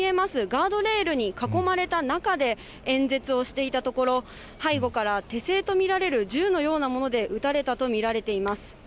ガードレールに囲まれた中で、演説をしていたところ、背後から手製と見られる銃のようなもので撃たれたと見られています。